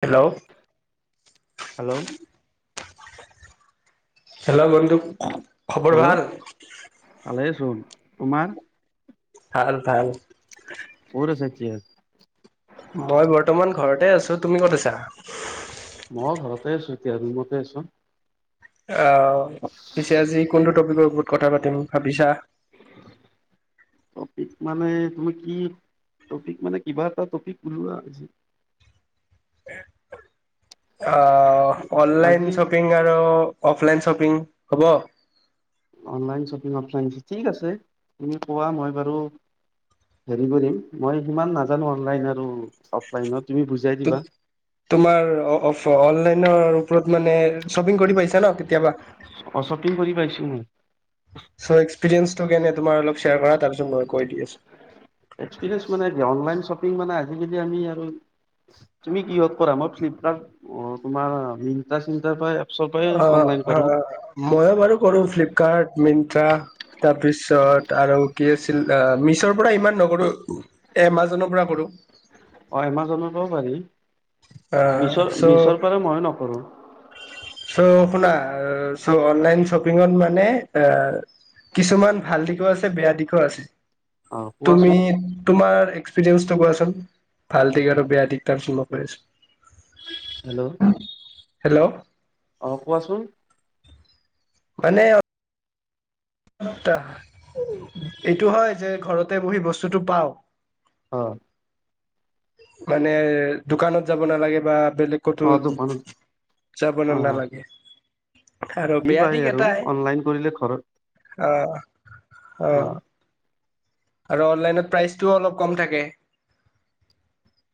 Hello hello hello বন্ধু খবৰ ভাল চন [inaudible] তোমাৰ ভাল ভাল ক'ত আছা এতিয়া মই বৰ্তমান ঘৰতে আছোঁ তুমি ক'ত আছা মই ঘৰতে আছোঁ এতিয়া ৰুমতে আছোঁ অ পিছে আজি কোনটো টপিকৰ ত কথা পাতিম ভাবিছা টপিক মানে তুমি কি টপিক মানে কিবা এটা টপিক ওলোৱা অ অনলাইন আজি চপিং আৰু অফ অফলাইন শ্বপিং হ'ব অনলাইন শ্বপিং অফলাইন ঠিক আছে তুমি কোৱা মই বাৰু হেৰি কৰিম মই সিমান নাজানো অনলাইন আৰু অফলাইনত তুমি বুজাই দিবা তোমাৰ অফ অফ অনলাইন নৰ ওপৰত মানে শ্বপিং কৰি পাইছা ন কেতিয়াবা অ শ্বপিং কৰি পাইছোঁ মই চ এক্সপেৰীয়েঞ্চটো কেনে তোমাৰ অলপ শ্বেয়াৰ কৰা তাৰপিছত মই কৈ দি আছোঁ এক্সপিৰিয়েঞ্চ মানে কি আৱ অনলাইন শ্বপিং মানে আজিকালি আমি আৰু তুমি কিহত কৰা মই ফ্লিপকাৰ্ট তোমাৰ মিনট্ৰা চিনট্ৰাৰ পাই অ অ ময়ো বাৰু কৰো ফ্লিপকাৰ্ট মিন ট্ৰা তাৰপিছত আৰু কি আছি ল মিছৰ পৰা ইমান নকৰোঁ এমাজনৰ পৰা কৰোঁ। অ' এমাজনতো পাৰি। অ', মিছৰ চ' মিছৰ পৰা ময়ো নকৰোঁ। চ' শুনা চ' অনলাইন শ্বপিঙত মানে আ কিছুমান ভাল দিশো আছে বেয়া দিশো আছে। অ তুমি কোৱাচোন তোমাৰ। এক্সপিৰিয়েন্ঞ্চটো কোৱাচোন ভাল দিশ আৰু বেয়া দিশ তাৰপিছত কৈ আছোঁ হেল্ল', হেল্ল', অ ' কোৱাচোন। মানে আ এইটো হয় যে ঘৰতে বহি বস্তুটো পাওঁ। অ' মানে দোকানত যাব নালাগে বা বেলেগ কতো অ দোকানত যাবলে অ নেলাগে। আৰু কি বেয়া পায় দিশ আৰু এটাই অনলাইন কৰিলে ঘৰত অ অ আৰু অনলাইনত প্ৰাইচটোও অলপ কম থাকে,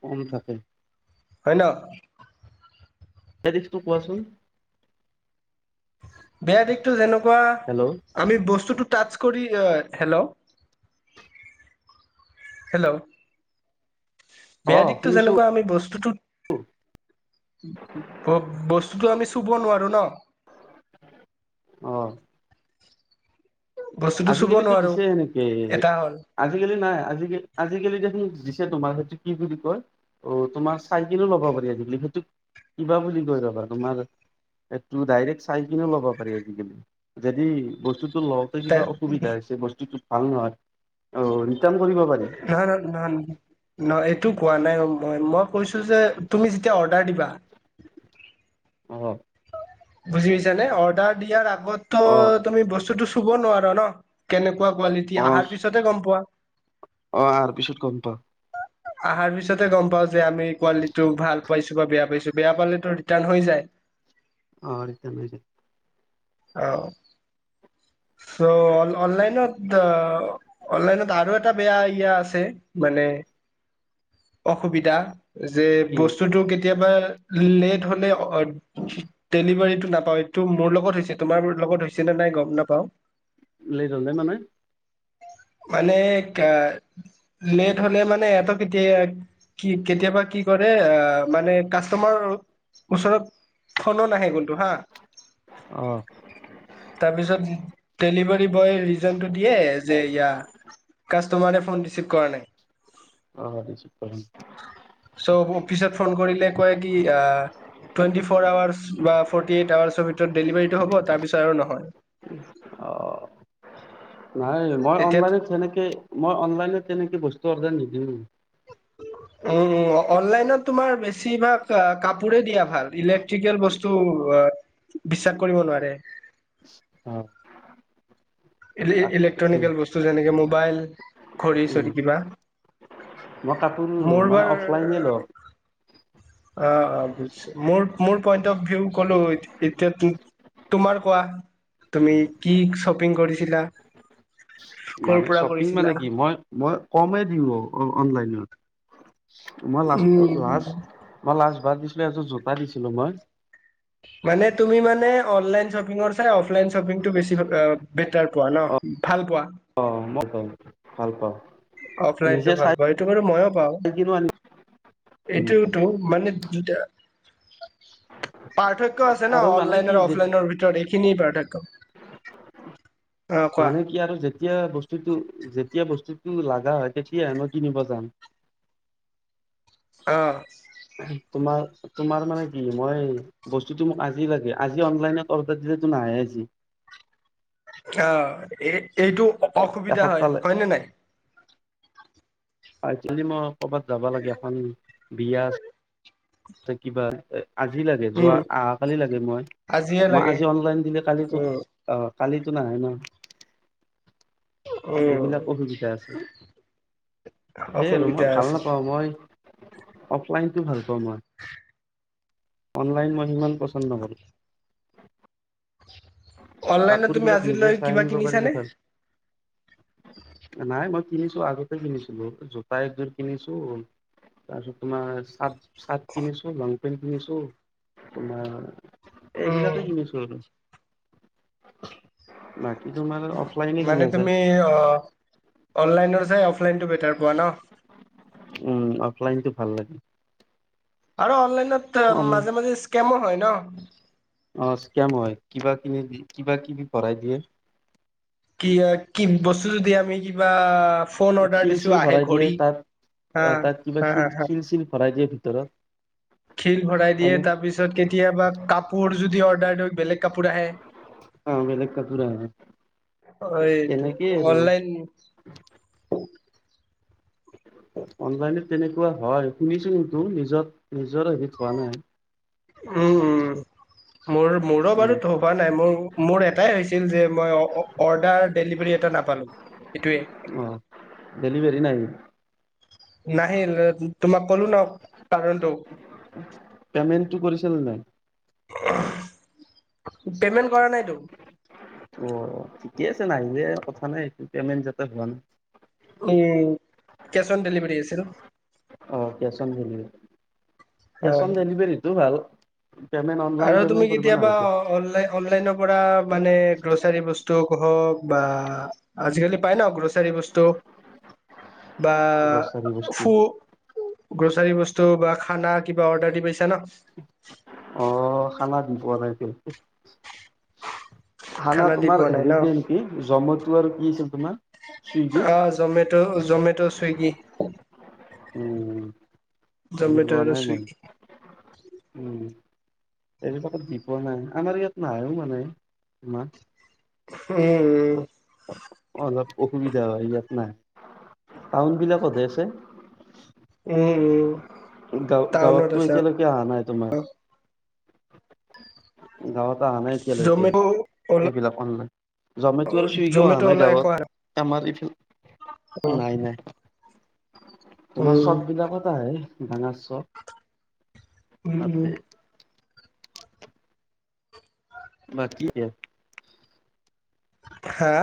কম থাকে। হয় ন' এড্ৰেছটো কোৱা চোন। বেয়া দিশতো যেনেকুৱা হেল্ল' কোৱা আমি বস্তুটো টাচ কৰি হেল্ল'- হেল্ল অ বেয়া দিশতো শুনিছো যেনেকুৱা আমি বস্তুতটো বস্তুতটো আমি চুব নোৱাৰো ন' অ ' বস্তুটো চুব আজিকালিতো নোৱাৰো দিছে সেনেকে এটা হ'ল আজিকালি নাই আজিকালি দেখোন আজিকালি দেখোন দিছে তোমাৰ সেইটো কি বুলি কয়। অ তোমাৰ চাইকেলো লব পাৰি সেইটো কিবা বুলি কই ৰবা তোমাৰ সেইটো দাইৰেক্ট চাইকিনো ল'ব পাৰি, যদি বস্তু টো, কিবা অসুবিধা হৈছে বস্তুতটো। ভাল নহয় [unintelligible] পাৰি নহয় -নহয় নহ এইটো কোৱা নাই। ম, মই কৈছো যে তুমি যেতিয়া অৰ্ডাৰ দিবা অ ' বুজি পাইছা নে অৰ্ডাৰ দিয়াৰ অগত ত অ তুমি বস্তুটো কব নোৱাৰ ন কেনেকোৱা, কোৱা কোৱালিটি অ অহাৰ পিছতে গম পোৱা অ আৰ পিছত গম পাও অহাৰ পিছতে গম পাও যে আমি কোৱালিটিটো ভাল পাইছো বা বেয়া পাইছো বেয়া পালো ৰিটাৰ্ণ হৈ যায়, অ এতিয়া ম আহ চ অনলাইনত দা অনলাইনত আৰু এটা এটা বেয়া ইয়া আছে মানে অসুবিধা যে কি বস্তুটো কেতিয়া কেতিয়াবা লেট হলে ডেলিভাৰীটো নাপাওঁ এইটো মোৰ লগত হৈছে তোমাৰ লগত হৈছে নে নাই গম নাপাওঁ, পাওঁ লেট হল নে মানে মানে লেট হলে মানে এহত কেতিয়া কি কেতিয়াবা কি কৰে আহ মানে কাষ্টমাৰ ওচৰত ফোন ও নাহে কোনটো হা অ তাৰপিছত ডেলিভাৰী বয় দিয়ে যে এতিয়া কাষ্টমাৰে ফোন ৰিচিভ কৰা নাই, অ চ' অফিচত [inaudible] ফোন কৰিলে কয় কি আ টোৱেন্তি ফৰ আৱৰ্চ বা ফৰ্তি এইট আৱৰ্চৰ ভিতৰত ডেলিভাৰিটো হব তাৰ পিছত আৰু নহয়। অ নাই মই এতিয়া অনলাইনত তেনেকে মই অনলাইনত তেনেকে বস্তু অৰ্ডাৰ নিদিও, উম উম, অনলাইনত তোমাৰ বেছিভাগ কাপো পোৰে দিয়া ভাল, ইলেক্ট্ৰিকেল বস্তু বিশ্বাস কৰিব নোৱাৰে। অ। ইলেক্ট্ৰনিকেল বস্তু যেনেকে মোবাইল, ঘঢ়ী উম চৰি কিবা। মই কাপোৰ মোৰ মানে বাৰ অফলাইনে লওঁ অ অ বুজিছো, মোৰ মোৰ পইন্ট অফ ভিউ ক'লো এতিয়া তোমাৰ কোৱা তুমি কি শ্বপিং কৰি ছিলা? মানে শ্বপিং মানে কি মই মই কমে দিওঁ অনলাইনত মই লাষ্টত উম লাষ্ট মই লাষ্ট তা দিছিলো এযোৰ জোতা দিছিলো মই। মানে তুমি মানে অনলাইন শ্বপিং ৰ চে অফ লাইনশ্বপিংটো বেছি বেটাৰ পোৱা ন? ভাল পোৱা! অ, মই ভাল পাওঁ। অফলাইনটো নিজে ভাল চাই পাওঁ, এইটো মানে মইও পাওঁ। কিনো আনি উম এইটো তো মানে দু পাৰ্থক্য আছে ন আৰু মানে কি অনলাইনত যে অফলাইনৰ ভিতৰত এইখিনিয়েই পাৰ্থক্য [inaudible] মানে কি আৰু যেতিয়া বস্তুটো যে যেতিয়া বস্তুটো লাগা হয় তেতিয়া হে মই কিনিব যাম। অ। তোমাৰ তোমাৰ মানে কি মই বস্তুটো মোক আজি লাগে আজি অনলাইনত অৰ্ডাৰ দিলেতো নাহে আজি। অ, এই এইটো অসুবিধা হয়। এসপ্তাহ হয়নে নাই? আজিকালি মই ক'বাত যাব লাগে এখন বিয়া ত কিবা আজি লাগে যোৱা উম, আহা কালি লাগে মই আজিয়ে মই লাগে। আজি অনলাইন দিলে কালি তো উম, অ কালিটো নাহে ন! উম, এইবিলাক অসুবিধা আছে। সেয়ে আৰু মই অসুবিধা ভাল আছে। নাপাওঁ মই অফলাইনটো ভাল পাওঁ মই। অনলাইন মই সিমান পচন নকৰোঁ। অনলাইনত তুমি নিজে আজিলৈ চাই কিবা আনিব পাৰিলে কিনিছানে? ভাল নাই মই কিনিছো আগতে কিনিছিলো। জোতা একযোৰ কিনিছো, তাৰপিছত তোমাৰ চাট চাৰ্ট কিনিছো, লং পেন্ট কিনিছো, তোমাৰ উম, এইবিলাকেই কিনিছো আৰু না মানে তুমি অ অনলাইনৰ চাই অফলাইনটো বেটাৰ পোৱা ন উম অফলাইনতো ভাল লাগে আৰু অনলাইন তাত অন মাজে মাজে ইচকেমো হয় ন অ স্কেম হয় কিবা কিবি কিবা কিবি ভৰাই দিয়ে কি কি বস্তু যদি আমি কিবা ফোন অৰ্ডাৰ শিল দিছো চিল আহে ভৰাই ঘড়ী দিয়ে হা তাত তাত কিবা হা হা শিল হা শিল চিল ভৰাই দিয়ে ভিতৰত শিল ভৰাই দিয়ে এনে তাপিছত কেতিয়াবা কাপোৰ যদি অৰ্ডাৰ দিওঁ বেলেগ কাপোৰ আহে অ বেলেগ কাপোৰ আহে অ' এইটো এনেকে আৰু অনলাইন অনলাইনে তেনে কোৱা হয় শুনিছোঁ তো নিজত নিজৰ এবিধ হোৱা নাই উম উম মোৰ মোৰো উম বাৰু ধবা নাই মোৰ মোৰ এ এটাই হৈছিল যে মই অ অৰ্ডাৰ ডেলিভাৰী এটা নাপালোঁ অঁ ডেলিভাৰি নাই নাহিল তোমাক ক'লো ন কাৰণটো পেমেনটো কৰিছিল নাই আমহ পেমেন্ট কৰা নাইতো অ', ঠিকে আছে নাহিলে কথা নাই এইটো পেমেণ্ট যাতে হোৱা নাই উম কেচ অন ডেলিভাৰী আছিল অঁ cash on delivery cash O on ডেলিভাৰীটো ভাল পেমেণ্ট অনলাইন আৰু তুমি পেমেণ্ট কৰিব কেতিয়াবা নালাগে অন অনলাইনৰ পৰা মানে গ্ৰচাৰী বস্তু বস্তু হওঁক বা আজিকালি পাই ন গ্ৰচাৰী বস্তু বা গ্ৰছাৰী বস্তু। ফু গ্ৰ'চাৰী বস্তু বা খানা কিবা অৰ্ডাৰ দি পাইছা ন অঁ খানা দি পোৱা নাই দেই খানা দি তোমাৰ পোৱা নাই হেৰিত ন দিয়ে নেকি জমেতু ত আৰু কি আছিল তোমাৰ চুইগি অ' জমেট'-জমেট', ছুইগি উম, লোৱা আৰু নাই মই। চুইগি উম। এনেকুৱাকে দি পোৱা নাই। আমাৰ ইয়াত নাহেও মানে, ইমান উম। অলপ অসুবিধা হয়, ইয়াত নাই। টাউনবিলাকতহে আছে। উম উম। টাউনত গাঁ-গাঁৱততো আছে এতিয়ালৈকে অহা নাই অ তোমাৰ। গাঁৱত অহা নাই এতিয়ালৈকে। জমেট' অলা এইবিলাক অনলাইন। জমেট' আৰু চুইগি অহা জমেট' নাই অলা একো আ গাঁৱত। [unintelligible] নাই নাই তোমাৰ উম চববিলাকত আহে, ডাঙা চব, উম উম তাতে। বাকী হা।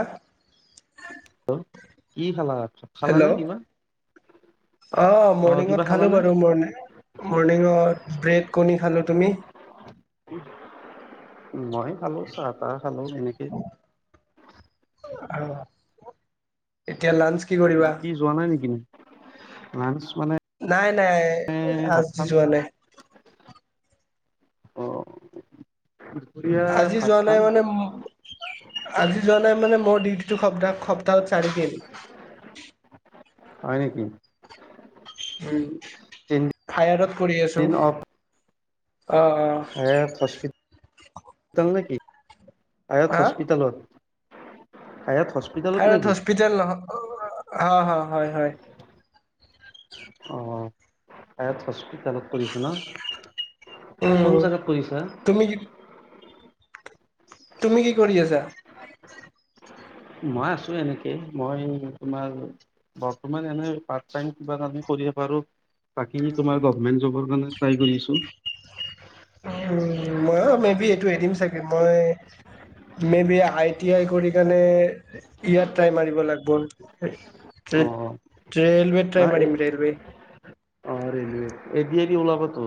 হেল্ল' কি খালা? খালা হেল্ল' নাই কিবা? অ' কিবা মৰ্ণিঙত খালোঁ খালানে বাৰু। মণ-মৰ্ণিঙত ব্ৰেড-কণী খালোঁ, তুমি? মই খালোঁ চাহ-তাহ। খালো তেনেকে। আৰু, এতিয়া লাঞ্চ কি কৰিবা ডিউটি যোৱা নাই নেকি? লাঞ্চ মানে নাই নাই। ভাত আজি খাম যোৱা নাই। অ' দুপৰীয়া আজি ভাত যোৱা নাই খাম মানে, আজি যোৱা নাই মানে, মোৰ [unintelligible] সপ্তাহত চাৰিদিন হয় নেকি? উম। তিনদিন ফায়াৰত কৰি আছো। অফ অ' অ'। তাল নেকি? আয়ত হস্পিতালত। আয়ত নেকি হস্পিটেল নহ, অ' হয় হয়। অ' আয়ত হস্পিতালত কৰিছে ন? কোন উম, জেগাত কৰিছা তুমি তুমি কি কৰি আছা? মই আছো এনেকে, মই তোমাৰ বৰ্তমান এনে পাৰ্ট-টাইম কিবা এটা কৰিব পাৰোঁ। বাকী তোমাৰ গৰ্ভমেণ্ট জবৰ কাৰনে ট্ৰাই কৰি আছোঁ। উ মই অ মে বি এইটো এৰিম চাগে মই maybe I T I কৰি কাৰণ ইয়াত ট্ৰাই মাৰিব লাগিব অ ৰেলৱে না ট্ৰাই এ মাৰিম ৰেলৱে অ ৰেলৱে এ ডী আৰ ই উলাবটো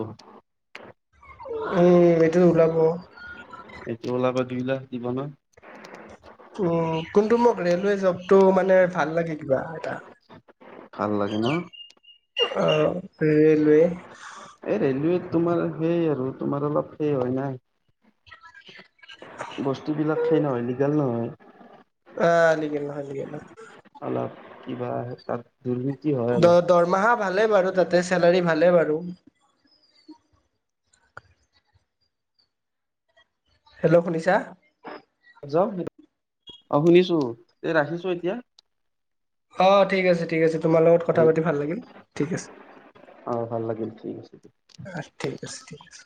উম এইটো ওলাব এইটো ওলাব যিবিলাক দিব ন অ কোনটো মোক ৰেলৱে জবটো মানে ভাল লাগে কিবা এটা ভাল লাগে ন অ ৰেলৱে ৰেলৱে তোমাৰ সেই আৰু তোমাৰ অলপ সেই হয় নাই বস্তু বিলাক সেই নহয় লিগাল নহয় আ লিগেল নহয় লিগেল নহয় অলপ কিবা তাত দুৰ্নীতি হয় দ ন দৰমহা ভালে বাৰু তাতে চেলাৰী ভালে বাৰু হেল্ল' শুনিছা যাও অ শুনিছো এই ৰাখিছো এতিয়া অ ঠিক আছে ঠিক আছে তোমাৰ লগত কথা পাতি ভাল লাগিল ঠিক আছে অ ভাল লাগিল ঠিক আছে ঠিক আছে ঠিক আছে।